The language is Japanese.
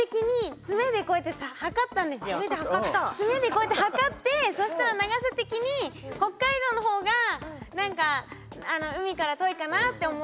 爪で、こうやって測ってそしたら、長さ的に北海道の方がなんか海から遠いかなって思って。